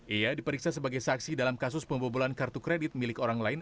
ia diperiksa sebagai saksi dalam kasus pembobolan kartu kredit milik orang lain